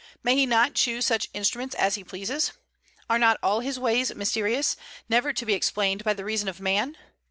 May He not choose such instruments as He pleases? Are not all His ways mysterious, never to be explained by the reason of man?